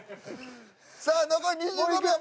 さあ残り２５秒。